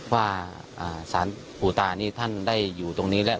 ว่าสารปูตานี่ท่านได้อยู่ตรงนี้แล้ว